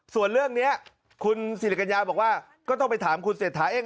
ส่วนเรื่องนี้คุณสิริกัญญาบอกว่าก็ต้องไปถามคุณเศรษฐาเอง